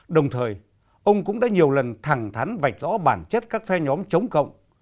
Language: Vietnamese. đồng thời ông cũng đã nhiều lần thẳng thắn vạch rõ bản chất các phe nhóm chống cộng